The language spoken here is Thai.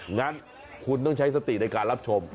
งั้นคุณต้องใช้สติในการรับชม